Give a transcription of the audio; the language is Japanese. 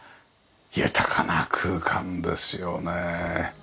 豊かな空間ですよねえ。